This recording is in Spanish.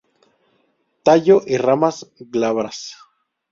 Tallo y ramas glabras.